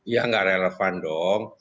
ya gak relevan dong